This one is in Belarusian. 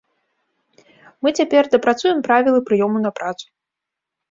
Мы цяпер дапрацуем правілы прыёму на працу.